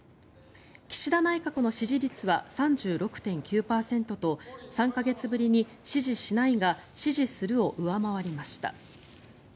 岸田内閣の支持率は３６．９％と３か月ぶりに支持しないが支持するを上回りました。